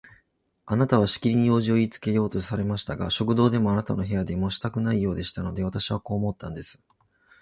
あなたはしきりに用事をいいつけようとされましたが、食堂でもあなたの部屋でもしたくないようでしたので、私はこう思ったんです。